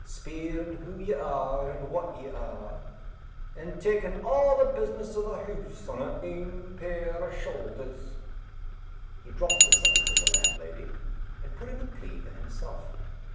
speerin' who ye are and what ye are, and takin' a' the business o' the hoose on her ain pair o' shouthers." He dropped the subject of the landlady, and put in a plea for himself.